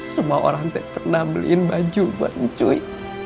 semua orang teh pernah beliin baju buat cuy